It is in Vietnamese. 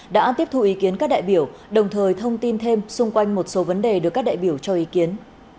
đã tiếp thu ý kiến các đại biểu đồng thời thông tin thêm xung quanh một số vấn đề được các đại biểu cho ý kiến